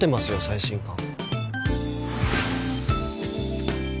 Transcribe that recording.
最新刊。